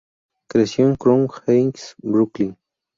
Creció en Crown Heights, Brooklyn.